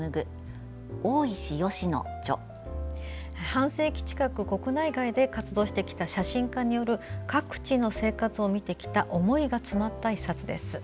半世紀近く国内外で活動してきた写真家による各地の生活を見てきた思いが詰まった一冊です。